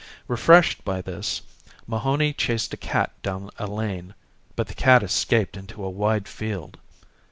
Refreshed by this, Mahony chased a cat down a lane, but the cat escaped into a wide field.